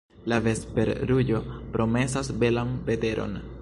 La vesperruĝo promesas belan veteron.